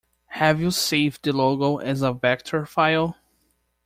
Have you saved the logo as a vector file?